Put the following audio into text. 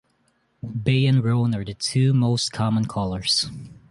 Bay and roan are the two most common colors.